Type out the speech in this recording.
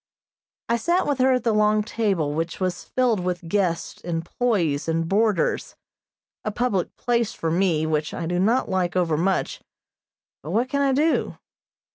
I sat with her at the long table which was filled with guests, employees and boarders a public place for me, which I do not like over much, but what can I do?